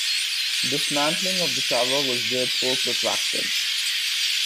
Dismantling of the tower was therefore protracted.